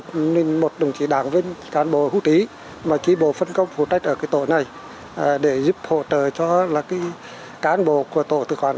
chỉ có một đồng chí đảng viên cán bộ hưu trí mà tri bộ phân công phụ trách ở cái tổ này để giúp hỗ trợ cho cán bộ của tổ tư quản